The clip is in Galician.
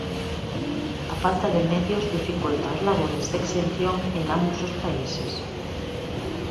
A falta de medios dificulta os labores de extinción en ambos os países.